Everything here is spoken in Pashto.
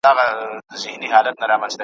کرۍ ورځ دلته آسونه ځغلېدله `